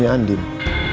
alah biar dianii